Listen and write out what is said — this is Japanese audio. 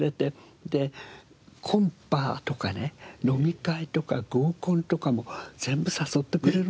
でコンパとかね飲み会とか合コンとかも全部誘ってくれるの。